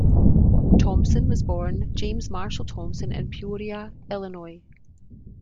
Thompson was born James Marshall Thompson in Peoria, Illinois.